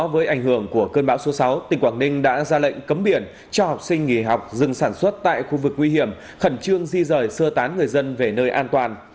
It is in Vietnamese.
với ảnh hưởng của cơn bão số sáu tỉnh quảng ninh đã ra lệnh cấm biển cho học sinh nghỉ học dừng sản xuất tại khu vực nguy hiểm khẩn trương di rời sơ tán người dân về nơi an toàn